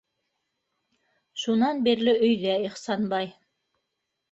Шунан бирле өйҙә Ихсанбай.